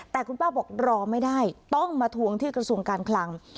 แต่คุณป้าบอกรอไม่ได้ต้องมาทวงที่กระทรวงการคลัง